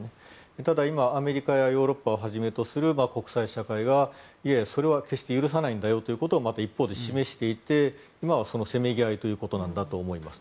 ただ、今アメリカやヨーロッパをはじめとする国際社会がいやいやそれは決して許さないんだよということをまた一方で示していて今はそのせめぎ合いということなんだと思います。